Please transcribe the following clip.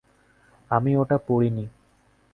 আমি ওটা পড়ি নি।